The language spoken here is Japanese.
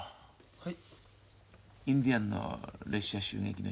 はい。